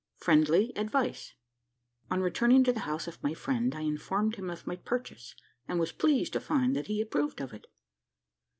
FRIENDLY ADVICE. On returning to the house of my friend, I informed him of my purchase; and was pleased to find that he approved of it.